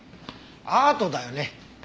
アートだよね。